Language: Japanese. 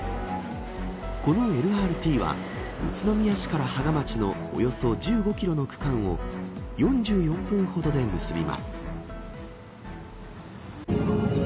このＬＲＴは宇都宮市から芳賀町のおよそ１５キロの区間を４４分ほどで結びます。